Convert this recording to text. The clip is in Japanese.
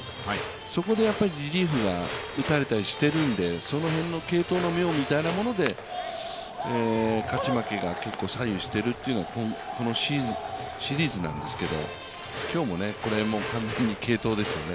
そこでリリーフが打たれたりしているので、その辺の継投の妙みたいなもので勝ち負けが左右しているのがこのシリーズなんですけど、今日も完全に継投ですよね。